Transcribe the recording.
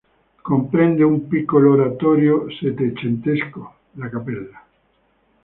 Comprende un piccolo oratorio settecentesco, la cappella.